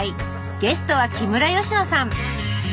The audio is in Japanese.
ゲストは木村佳乃さん。